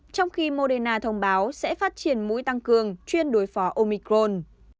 trong khi moderna thông báo sẽ phát triển mũi tăng cường chuyên đối phó omicron